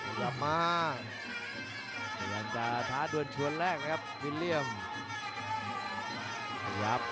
ขยับมาแล้วมิลเลียมจะท้าด่วนชวนแรกครับ